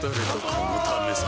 このためさ